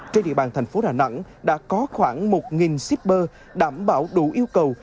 trên địa bàn thành phố đà nẵng đã có khoảng một shipper đảm bảo đủ yêu cầu